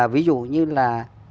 ví dụ như là